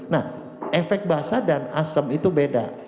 nah efek basah dan asem itu beda